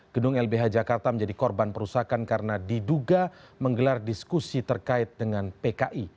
gedung lbh jakarta menjadi korban perusakan karena diduga menggelar diskusi terkait dengan pki